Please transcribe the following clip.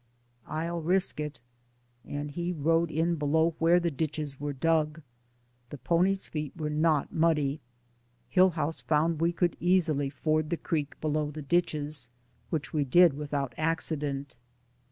"I'll risk it." And he rode in below where the ditches were dug. The pony's feet were not muddy. Hillhouse found we could easily ford the creek below the ditches, which we did without accident.